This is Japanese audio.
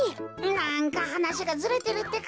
なんかはなしがずれてるってか。